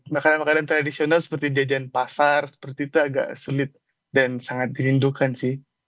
makanan makanan tradisional seperti jajan pasar seperti itu agak sulit dan sangat dirindukan sih